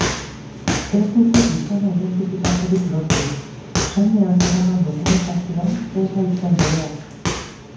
Ez dute gizona identifikatzerik lortu, soinean zeraman dokumentazioa ez baitzen berea.